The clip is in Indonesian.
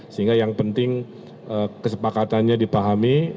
sehingga yang penting kesepakatannya dipahami